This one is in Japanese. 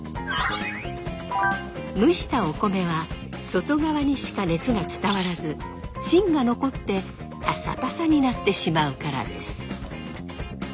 蒸したお米は外側にしか熱が伝わらず芯が残ってパサパサになってしまうからです。